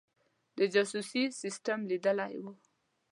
د جاسوسي سسټم لیدلی وو.